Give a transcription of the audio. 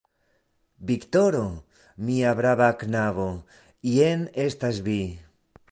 Viktoro! mia brava knabo, jen estas vi!